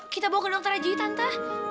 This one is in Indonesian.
kita bawa ke dokter aja ya tante